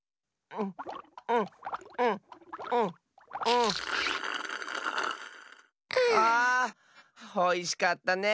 おいしかったね！